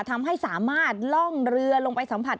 ทำให้สามารถล่องเรือลงไปสัมผัส